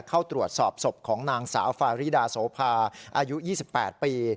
เข้าตรวจสอบศพของนางสาวฟาริดาโสภาอายุ๒๘ปี